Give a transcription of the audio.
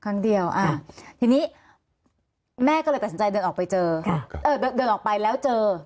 ครั้งเดียวอ่าทีนี้แม่ก็เลยตัดสินใจเดินออกไปเจอเดินออกไปแล้วเจอ